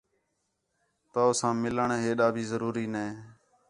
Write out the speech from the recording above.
تَؤ ساں مِِلݨ ہیݙا بھی ضروری نئے